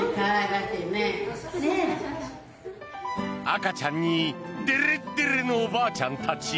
赤ちゃんにデレデレのおばあちゃんたち。